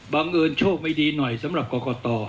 บังเอิญโชคไม่ดีหน่อยสำหรับกรกต